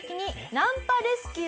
ナンパレスキュー？